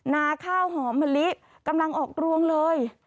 นาข้าวหอมมะลิกำลังออกรวงเลย